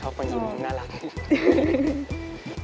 ชอบตรงเครื่องหน้าข้างบนค่ะ